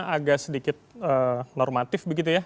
agak sedikit normatif begitu ya